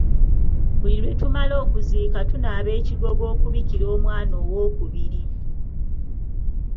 Buli lwe tumala okuziika tunaaba ekigogo okubikira omwana owookubiri.